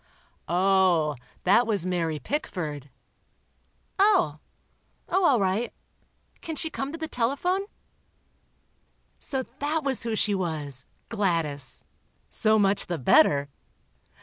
'" "Oh, that was Mary Pickford." "Oh—oh, all right—can she come to the telephone?" So that was who she was—Gladys ... so much the better.